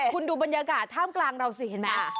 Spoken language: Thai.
คุณดูบรรยากาศท่ามกลางเราสิเห็นไหม